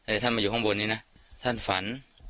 แต่ท่านมาอยู่ข้างบนนี้นะท่านฝัน